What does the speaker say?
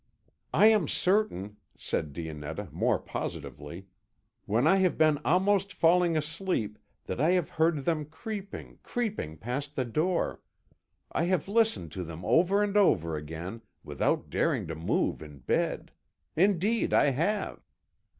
"I am certain," said Dionetta, more positively, "when I have been almost falling asleep, that I have heard them creeping, creeping past the door. I have listened to them over and over again, without daring to move in bed. Indeed I have."